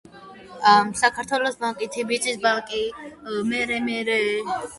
საქართველოს ბანკი, თიბისის ბანკი, მერე, მერე..